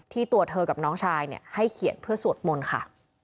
ตัวเธอกับน้องชายให้เขียนเพื่อสวดมนต์ค่ะ